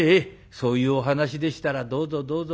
そういうお話でしたらどうぞどうぞ。